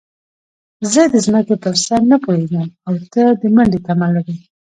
زه د ځمکې پر سر نه پوهېږم او ته د منډې تمه لرې.